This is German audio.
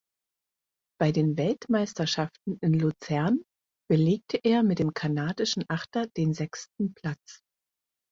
Bei den Weltmeisterschaften in Luzern belegte er mit dem kanadischen Achter den sechsten Platz.